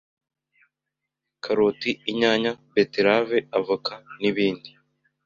Karoti, inyanya, beterave, avoka, n’ibindi